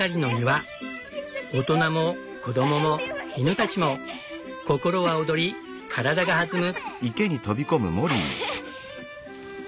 大人も子供も犬たちも心は躍り体が弾む。